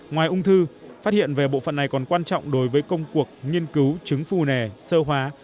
ngoài ung thư phát hiện về bộ phận này còn quan trọng đối với công cuộc nghiên cứu chứng phù nề sơ hóa